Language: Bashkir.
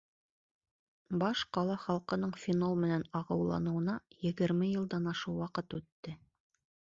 Баш ҡала халҡының фенол менән ағыуланыуына егерме йылдан ашыу ваҡыт үтте.